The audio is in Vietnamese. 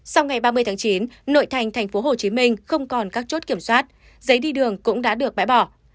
sau ngày ba mươi tháng chín nội thành tp hcm không còn các chốt kiểm soát giấy đi đường cũng đã được bãi bỏ